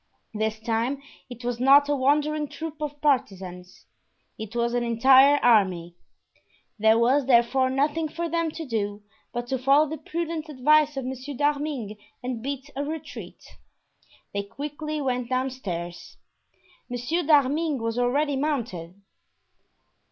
This time it was not a wandering troop of partisans; it was an entire army. There was therefore nothing for them to do but to follow the prudent advice of Monsieur d'Arminges and beat a retreat. They quickly went downstairs. Monsieur d'Arminges was already mounted.